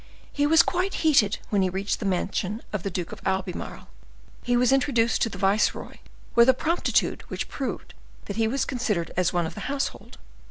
He was quite heated when he reached the mansion of the Duke of Albemarle. He was introduced to the viceroy with a promptitude which proved that he was considered as one of the household.